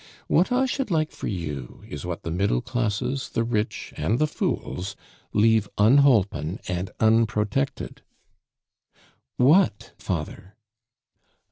What I should like for you is what the middle classes, the rich, and the fools leave unholpen and unprotected " "What, father?"